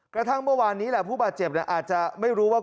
กระทั่งเมื่อวานนี้แหละผู้บาดเจ็บอาจจะไม่รู้ว่า